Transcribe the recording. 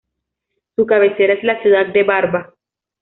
Su cabecera es la ciudad de Barva.